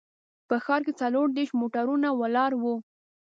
په ښار کې څلور دیرش موټرونه ولاړ وو.